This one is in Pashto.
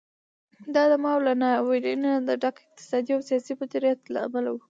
دا د ماوو له ناورینه د ډک اقتصادي او سیاسي مدیریت له امله و.